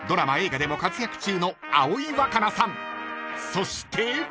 ［そして］